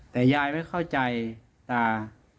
แต่ยายไม่เข้าใจตา